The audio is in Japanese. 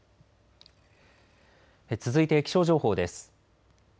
続いて気象情報です。